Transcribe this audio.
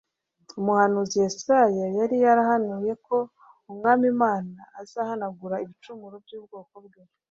Umuhanuzi Yesaya yari yarahanuye ko Umwami Imana azahanagura ibicumuro by'ubwoko bwe